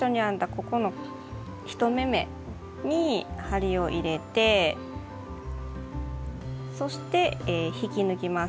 ここの１目めに針を入れてそして引き抜きます。